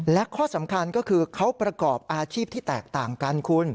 และข้อสำคัญก็คือเขาประกอบอาชีพที่แตกต่างกันคุณ